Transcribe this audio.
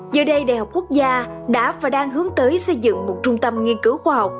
giờ đây đại học quốc gia đã và đang hướng tới xây dựng một trung tâm nghiên cứu khoa học